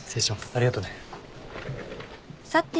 ありがとね。